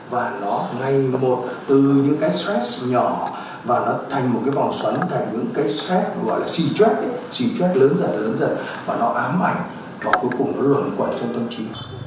và nó ngày một từ những cái stress nhỏ và nó thành một cái vòng xoắn thành những cái stress gọi là si chất lớn dần lớn dần và nó ám ảnh và cuối cùng nó luồn vào trong tâm trí